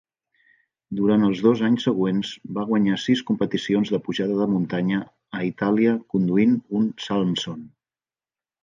Durant els dos anys següents va guanyar sis competicions de pujada de muntanya a Itàlia conduint un Salmson.